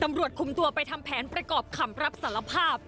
ตำรวจคุมตัวไปทำแผนประกอบคำรับสารภาพ